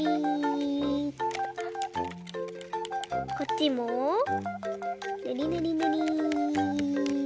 こっちもぬりぬりぬり。